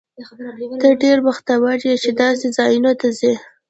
ته ډېر بختور یې، چې داسې ځایونو ته ځې.